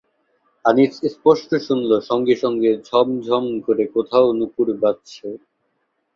আনিস স্পষ্ট শুনল সঙ্গে-সঙ্গে ঝমঝম করে কোথাও নুপুর বাজছে।